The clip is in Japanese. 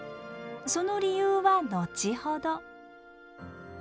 その理由は後ほど。